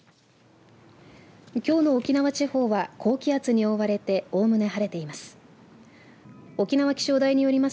きょうの沖縄地方は高気圧に覆われておおむね晴れています。